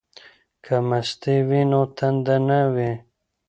که مستې وي نو تنده نه وي.